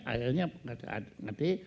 ayahnya mengatakan adik